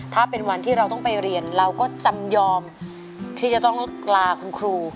ถ้าเป็นวันที่เราต้องไปเรียนเราก็จำยอมที่จะต้องลาคุณครู